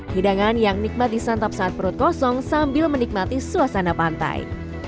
hidangan yang nikmat disantap saat perut kosong sambil menikmati suasana pantai